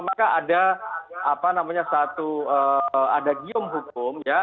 maka ada satu ada gium hukum ya